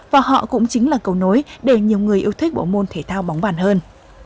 và họ cũng chính là cầu nối để nhiều người yêu thích bộ môn thể thao bóng bàn hơn